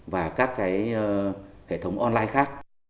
và các cái hệ thống online khác